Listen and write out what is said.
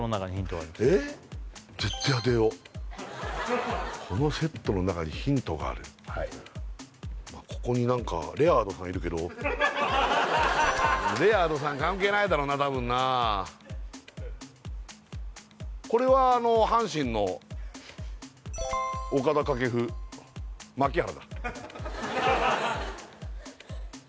絶対当てようこのセットの中にヒントがあるここに何かレアードさんいるけどレアードさん関係ないだろうな多分なこれは阪神の岡田掛布槙原